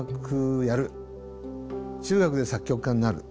中学で作曲家になる。